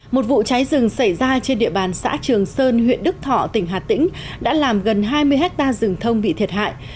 một vụ cháy rừng xảy ra trên địa bàn xã trường sơn huyện đức thọ tỉnh hà tĩnh đã làm gần hai mươi hectare rừng thông bị thiệt hại